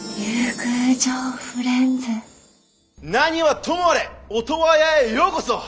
何はともあれオトワヤへようこそ！